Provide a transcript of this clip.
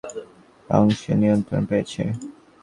এতে তারা ইরানের অর্থনীতির বড় অংশের নিয়ন্ত্রণ পেয়েছে।